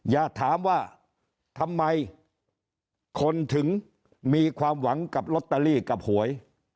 อย่าถามว่าทำไมคนถึงมีความหวังกับลอตเตอรี่กับหวย